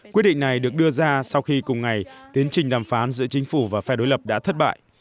quyết định này được đưa ra sau khi cùng ngày tiến trình đàm phán giữa chính phủ và phe đối lập đã thất bại